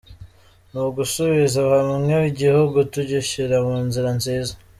ni gusubiza hamwe igihugu tugishira mu nzira nziza.